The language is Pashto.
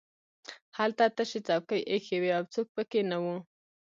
هلته تشې څوکۍ ایښې وې او څوک پکې نه وو